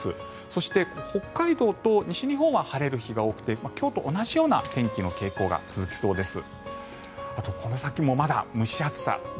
そして、北海道と西日本は晴れる日が多くて今日と同じような天気の傾向が続きそうです。